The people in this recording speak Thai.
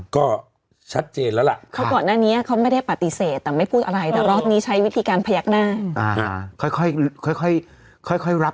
ก็ชัดเจนแล้วล่ะเขาก่อนหน้านี้เขาไม่ได้ปฏิเสธแต่ไม่พูดอะไรแต่รอบนี้ใช้วิธีการพยักหน้าค่อยรับ